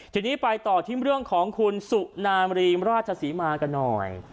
ทีนี้ไปต่อที่เรื่องของคุณสุนามรีมราชศรีมากันหน่อย